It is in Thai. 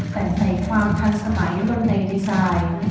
แต่ใส่ความทันสมัยบนในดีไซน์